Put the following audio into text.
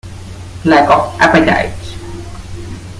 Lack of appetite!